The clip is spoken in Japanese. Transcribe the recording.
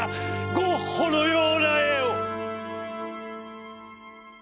ゴッホのような絵を」。